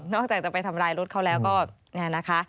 จะไปทำร้ายรถเขาแล้วก็เนี่ยนะคะ